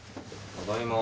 ただいま。